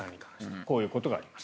こういうことがあります。